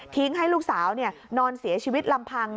ให้ลูกสาวนอนเสียชีวิตลำพัง